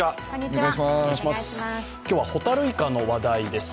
今日は、ホタルイカの話題です。